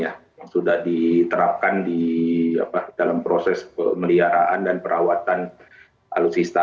yang sudah diterapkan di dalam proses pemeliharaan dan perawatan alutsista